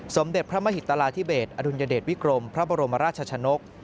สมเด็จพระมหิตราธิเบสอดุลยเดชวิกรมพระบรมราชชนก